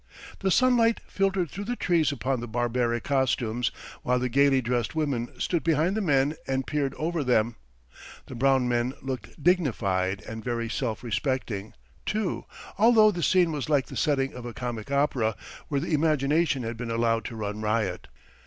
The sunlight filtered through the trees upon the barbaric costumes, while the gaily dressed women stood behind the men and peered over them. The brown men looked dignified and very self respecting, too, although the scene was like the setting of a comic opera, where the imagination had been allowed to run riot.